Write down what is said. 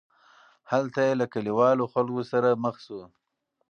هلته یې له کلیوالو خلکو سره مخ شو.